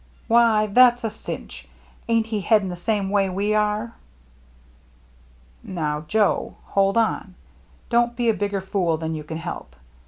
" Why — that's a cinch. Ain't he headed the same way we are ?"" Now, Joe, hold on. Don't be a bigger fool than you can help.